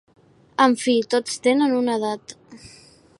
En fi, tots tenen una edat.